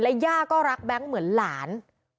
ย่าก็รักแบงค์เหมือนหลาน